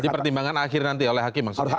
jadi pertimbangan akhir nanti oleh hakim maksudnya